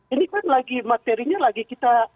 ini kan lagi materinya lagi kita